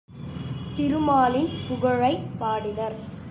திருமாலின் புகழைப் பாடினர்.